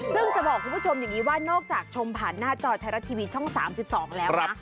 ซึ่งจะบอกคุณผู้ชมอย่างนี้ว่านอกจากชมผ่านหน้าจอไทยรัฐทีวีช่อง๓๒แล้วนะ